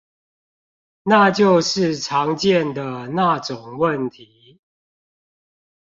那就是常見的那種問題